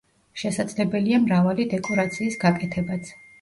შესაძლებელია მრავალი დეკორაციის გაკეთებაც.